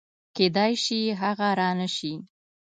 کېدای شي هغه رانشي